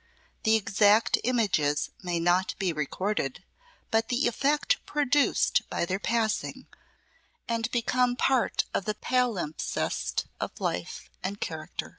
The exact images may not be recorded, but the effect produced by their passing will remain and become part of the palimpsest of life and character.